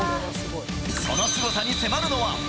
そのすごさに迫るのは。